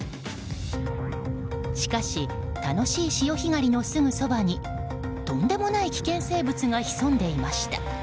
しかし、楽しい潮干狩りのすぐそばにとんでもない危険生物が潜んでいました。